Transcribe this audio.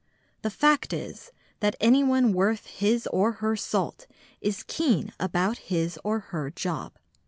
The fact is, that anyone worth his or her salt is keen about his or her job.